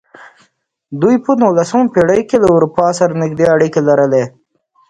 دوی په نولسمه پېړۍ کې له اروپا سره نږدې اړیکې لرلې.